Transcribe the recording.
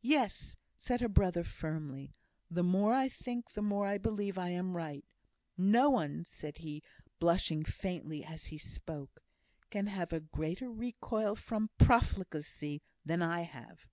"Yes!" said her brother, firmly. "The more I think, the more I believe I am right. No one," said he, blushing faintly as he spoke, "can have a greater recoil from profligacy than I have.